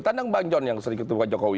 tandang bang john yang sering ketemu pak jokowi